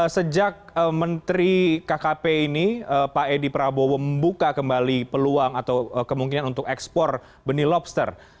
sejak menteri kkp ini pak edi prabowo membuka kembali peluang atau kemungkinan untuk ekspor benih lobster